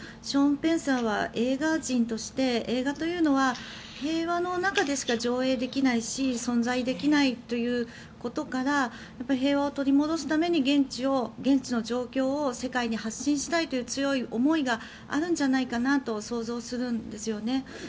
ショーン・ペンさんは映画人として映画というのは平和の中でしか上映できないし存在できないということから平和を取り戻すために現地の状況を世界に発信したいという強い思いがあるんじゃないかなと想像するんですよね。